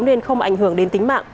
nên không ảnh hưởng đến tính mạng